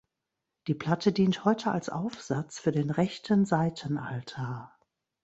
Die Platte dient heute als Aufsatz für den rechten Seitenaltar.